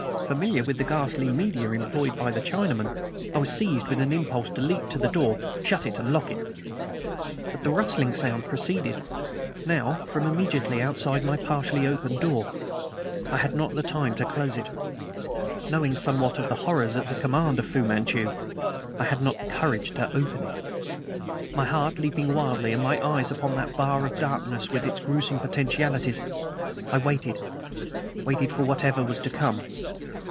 Familiar with the ghastly media employed by the Chinaman, I was seized with an impulse to leap to the door, shut and lock it. But the rustling sound proceeded, now, from immediately outside my partially opened door. I had not the time to close it; knowing somewhat of the horrors at the command of Fu Manchu, I had not the courage to open it. My heart leaping wildly, and my eyes upon that bar of darkness with its gruesome potentialities, I waited waited for whatever was to come.